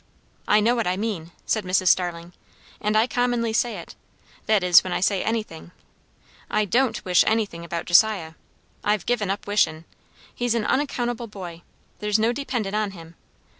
"I know what I mean," said Mrs. Starling, "and I commonly say it. That is, when I say anything. I don't wish anything about Josiah. I've given up wishin'. He's an unaccountable boy. There's no dependin' on him.